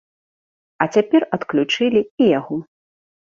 А цяпер адключылі і яго.